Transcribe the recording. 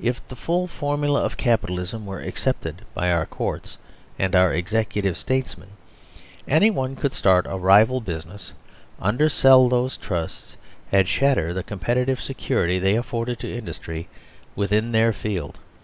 If the full formula of Capi talism were accepted by our Courts and our execu tive statesmen, anyone could start a rival business, undersell those Trusts and shatter the comparative security they afford to industry within their field.